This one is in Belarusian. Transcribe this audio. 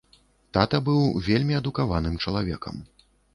Тата быў вельмі адукаваным чалавекам.